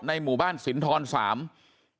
ในหมู่บ้านสินทรสอง